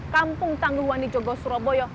kampung tangguh wani jogos surabaya